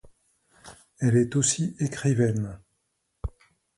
Elle est aussi écrivaine.